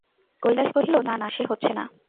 কৈলাস কহিল, না না, সে হচ্ছে না।